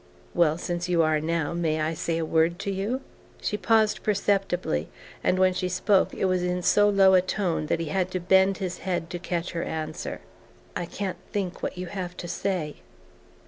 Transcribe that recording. "Well, since you are now, may I say a word to you?" She paused perceptibly, and when she spoke it was in so low a tone that he had to bend his head to catch her answer. "I can't think what you can have to say."